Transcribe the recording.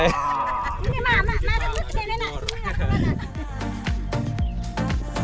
ini mama mama lu kekenenan ini